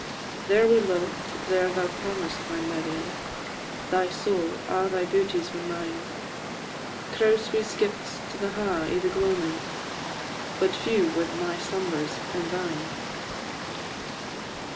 There we loved, there thou promised, my Marion, Thy soul a' thy beauties were mine; Crouse we skipt to the ha' i' the gloamin', But few were my slumbers and thine.